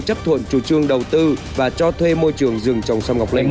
chấp thuận chủ trương đầu tư và cho thuê môi trường rừng trồng sâm ngọc linh